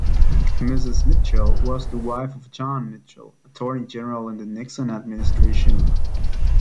Mrs. Mitchell was the wife of John Mitchell, Attorney-General in the Nixon administration.